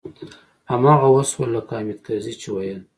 هماغه و شول لکه حامد کرزي چې ويل.